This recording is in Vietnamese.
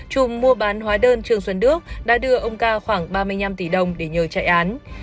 chùm mua bán hóa đơn trương xuân đức đã đưa ông ca khoảng ba mươi năm tỷ đồng để nhờ chạy án